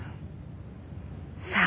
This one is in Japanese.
さあ。